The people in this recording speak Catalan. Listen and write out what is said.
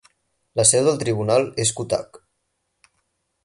La seu del tribunal és Cuttack.